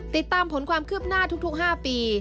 ติดตามผลความคืบหน้าทุก๕ปี